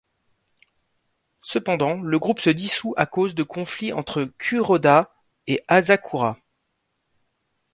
Cependant, le groupe se dissout à cause de conflits entre Kuroda et Asakura.